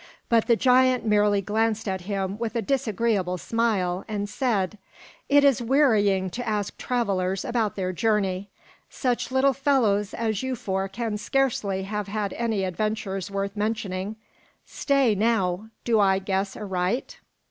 But the giant merely glanced at him with a disagreeable smile, and said, "It is wearying to ask travelers about their journey. Such little fellows as you four can scarcely have had any adventures worth mentioning. Stay, now! Do I guess aright?